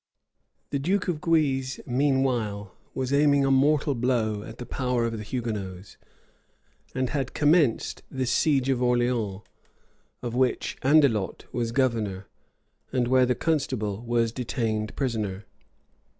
The duke of Guise, meanwhile, was aiming a mortal blow at the power of the Hugonots; and had commenced the siege of Orleans, of which Andelot was governor, and where the constable was detained prisoner.